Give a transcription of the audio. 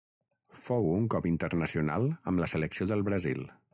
Fou un cop internacional amb la selecció del Brasil.